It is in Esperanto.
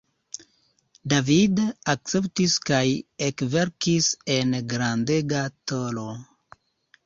David akceptis kaj ekverkis en grandega tolo.